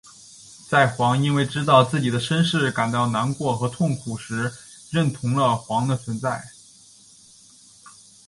在煌因为知道自己的身世感到难过和痛苦时认同了煌的存在。